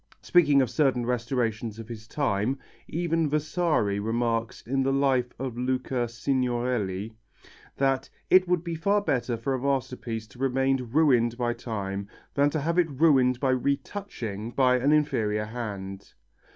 Speaking of certain restorations of his time, even Vasari remarks in the Life of Luca Signorelli, that "it would be far better for a masterpiece to remain ruined by time than to have it ruined by retouching by an inferior hand."